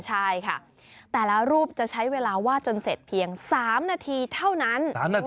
ใช่ค่ะแต่ละรูปจะใช้เวลาวาดจนเสร็จเพียง๓นาทีเท่านั้น